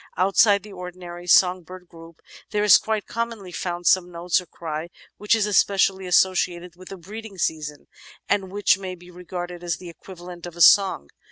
Outside the ordinary song bird group, there is quite commonly found some note or cry which is especially associated with the breeding season and which may be regarded as the equivalent of a song.